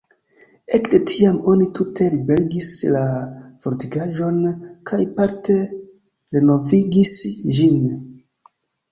Ekde tiam oni tute liberigis la fortikaĵon kaj parte renovigis ĝin.